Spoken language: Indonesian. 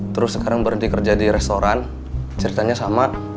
terus sekarang berhenti kerja di restoran ceritanya sama